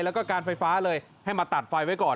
แล้วก็การไฟฟ้าเลยให้มาตัดไฟไว้ก่อน